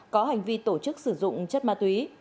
có hành vi tổ chức sử dụng chất ma túy